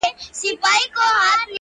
پر لویانو کشرانو باندي گران وو-